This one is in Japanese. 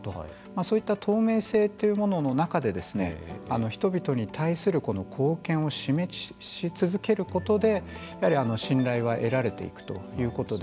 そういった透明性というものの中で人々に対する貢献を示し続けることでやはり信頼は得られていくことで